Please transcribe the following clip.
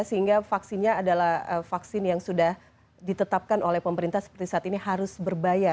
sehingga vaksinnya adalah vaksin yang sudah ditetapkan oleh pemerintah seperti saat ini harus berbayar